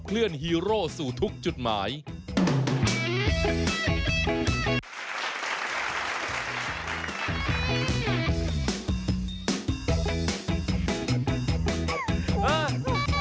เฮ้ยเฮ้ยเฮ้ยเฮ้ยเฮ้ยเฮ้ยเฮ้ยเฮ้ยเฮ้ยเฮ้ยเฮ้ย